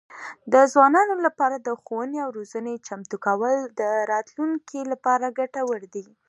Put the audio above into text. د ځوانانو لپاره د ښوونې او روزنې چمتو کول د راتلونکي لپاره ګټور دي.